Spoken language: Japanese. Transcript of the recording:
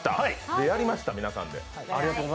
で、やりました、皆さんで。